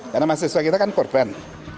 karena mahasiswa kita kan korban